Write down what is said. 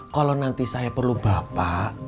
kalau nanti saya perlu bapak